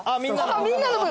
あっみんなの分。